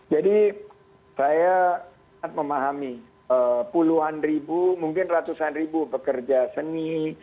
jadi saya sangat memahami puluhan ribu mungkin ratusan ribu pekerja seni